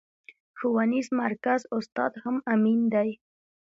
ښوونيز مرکز استاد هم امين دی.